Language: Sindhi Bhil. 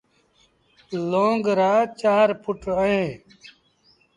لونگ رآ چآر پُٽ اهيݩ۔